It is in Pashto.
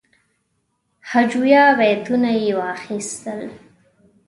هجویه بیتونه یې واخیستل.